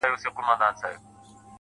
مور مي خپه ده ها ده ژاړي راته_